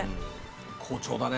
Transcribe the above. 好調だね